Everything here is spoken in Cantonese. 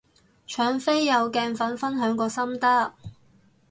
搶飛有鏡粉分享過心得